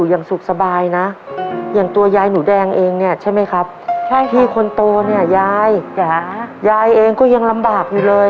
ยายยายเองก็ยังลำบากอยู่เลย